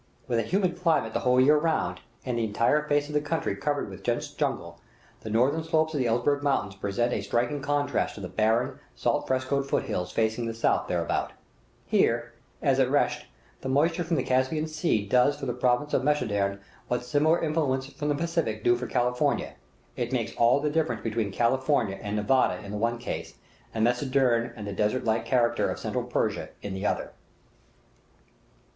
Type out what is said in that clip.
With a humid climate the whole year round, and the entire face of the country covered with dense jungle, the northern slopes of the Elburz Mountains present a striking contrast to the barren, salt frescoed foot hills facing the south hereabout. Here, as at Resht, the moisture from the Caspian Sea does for the province of Mazanderan what similar influences from the Pacific do for California. It makes all the difference between California and Nevada in the one case, and Mazanderan and the desert like character of Central Persia in the other.